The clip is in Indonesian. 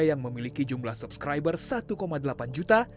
yang memiliki jumlah subscriber satu delapan juta